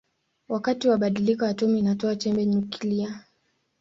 Wakati wa badiliko atomi inatoa chembe nyuklia.